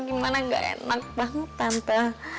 gimana gak enak banget tanpa